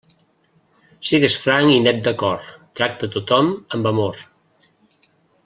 Sigues franc i net de cor, tracta a tothom amb amor.